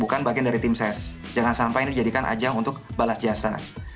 bukan bagian dari tim ses jangan sampai ini dijadikan ajang untuk balas jasa